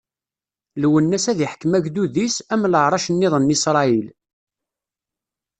Lwennas ad iḥkem agdud-is, am leɛṛac-nniḍen n Isṛayil.